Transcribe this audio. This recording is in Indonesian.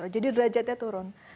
jadi derajatnya turun